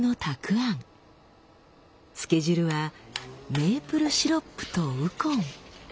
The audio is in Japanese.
漬け汁はメープルシロップとウコン。